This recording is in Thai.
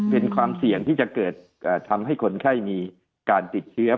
เป็นความเสี่ยงที่จะเกิดทำให้คนไข้มีการติดเชื้อ